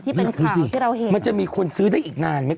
ที่เป็นข่าวที่เราเห็นมันจะมีคนซื้อได้อีกนานไหม